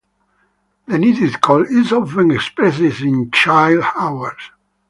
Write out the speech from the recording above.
The needed cold is often expressed in chill hours.